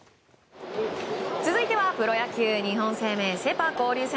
続いてはプロ野球日本生命セ・パ交流戦。